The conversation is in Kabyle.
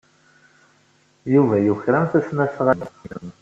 Yuba yuker-am tasnasɣalt-nnem.